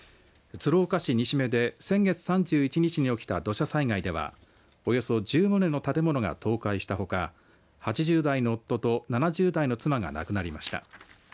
鶴岡市西目で先月３１日に起きた土砂災害ではおよそ１０棟の建物が倒壊したほか８０代の夫と７０代の妻が亡くなりました。